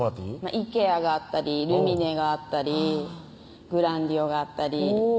ＩＫＥＡがあったりルミネがあったりグランデュオがあったりおぉ